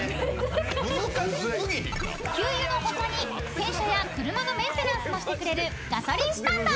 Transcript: ［給油の他に洗車や車のメンテナンスもしてくれるガソリンスタンド］